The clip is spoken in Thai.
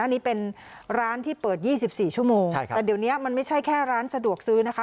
อันนี้เป็นร้านที่เปิด๒๔ชั่วโมงแต่เดี๋ยวนี้มันไม่ใช่แค่ร้านสะดวกซื้อนะคะ